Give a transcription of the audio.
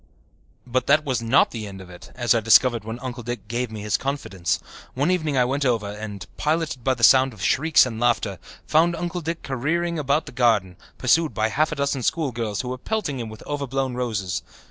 But that was not the end of it, as I discovered when Uncle Dick gave me his confidence. One evening I went over and, piloted by the sound of shrieks and laughter, found Uncle Dick careering about the garden, pursued by half a dozen schoolgirls who were pelting him with overblown roses.